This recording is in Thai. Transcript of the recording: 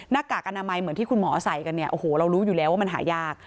กากอนามัยเหมือนที่คุณหมอใส่กันเนี่ยโอ้โหเรารู้อยู่แล้วว่ามันหายาก